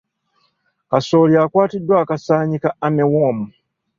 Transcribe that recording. Kasooli akwatiddwa akasaanyi ka armyworm.